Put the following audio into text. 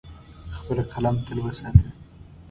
خپل قلم تل وساته.